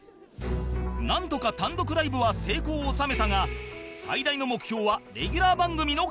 なんとか単独ライブは成功を収めたが最大の目標はレギュラー番組の獲得